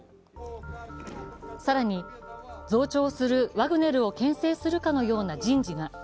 更に、増長するワグネルをけん制するかのような人事が。